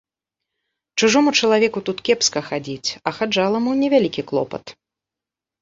Чужому чалавеку тут кепска хадзіць, а хаджаламу не вялікі клопат.